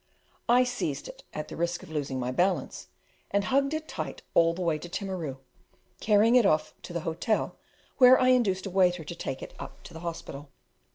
I seized it at the risk of losing my balance, and hugged it tight all the way to Timaru, carrying it off to the hotel, where I induced a waiter to take it up to the hospital.